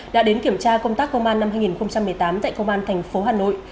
đã đến kiểm tra công tác công an năm hai nghìn một mươi tám tại công an thành phố hà nội